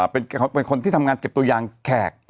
เป็นคนที่ทำงานเก็บตัวยางแขก